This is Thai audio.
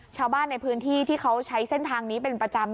ชาวบ้านในพื้นที่ที่เขาใช้เส้นทางนี้เป็นประจำ